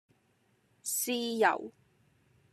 豉油